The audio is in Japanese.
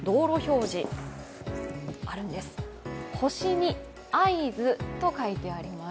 ★に合図と書いてあります。